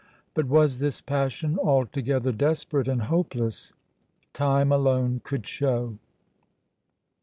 But was this passion altogether desperate and hopeless? Time alone could show!